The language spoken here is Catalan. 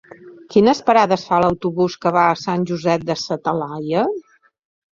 Quines parades fa l'autobús que va a Sant Josep de sa Talaia?